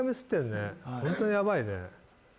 ホントにヤバいね。